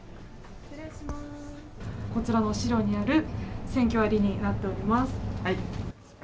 こちらの資料にある、センキョ割になっております。